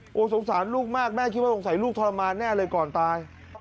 โอ้โหสงสารลูกมากแม่คิดว่าสงสัยลูกทรมานแน่เลยก่อนตาย